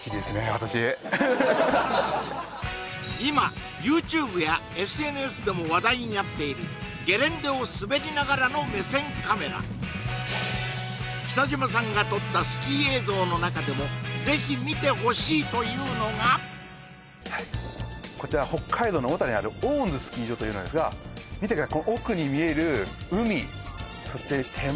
私今ＹｏｕＴｕｂｅやＳＮＳでも話題になっているゲレンデを滑りながらの目線カメラ北島さんが撮ったスキー映像の中でもぜひ見てほしいというのがこちら北海道の小樽にあるオーンズスキー場というのですが見て奥に見える海そして手前